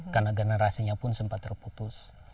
karena generasinya pun sempat terputus